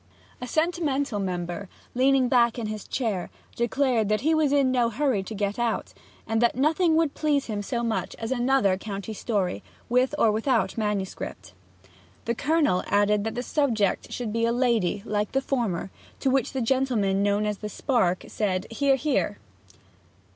A sentimental member, leaning back in his chair, declared that he was in no hurry to go out, and that nothing would please him so much as another county story, with or without manuscript. The Colonel added that the subject should be a lady, like the former, to which a gentleman known as the Spark said 'Hear, hear!'